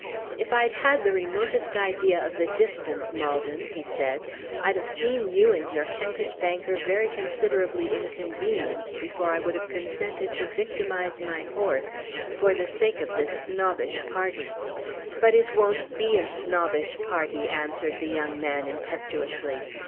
"If I'd had the remotest idea of the distance, Maldon," he said, "I'd have seen you and your Kentish banker very considerably inconvenienced before I would have consented to victimize my horse for the sake of this snobbish party." "But it won't be a snobbish party," answered the young man, impetuously.